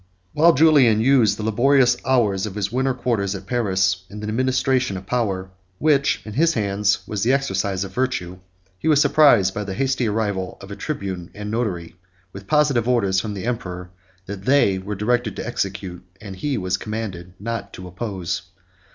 While Julian used the laborious hours of his winter quarters at Paris in the administration of power, which, in his hands, was the exercise of virtue, he was surprised by the hasty arrival of a tribune and a notary, with positive orders, from the emperor, which they were directed to execute, and he was commanded not to oppose.